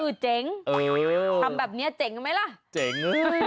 เจ๋งทำแบบนี้เจ๋งไหมล่ะเจ๋ง